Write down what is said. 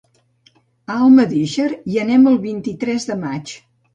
A Almedíxer hi anem el vint-i-tres de maig.